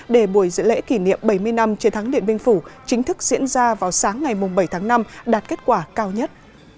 để buổi lễ kỷ niệm bảy mươi năm chiến thắng điện biên phủ chính thức diễn ra vào sáng ngày bảy tháng năm đạt kết quả cao nhất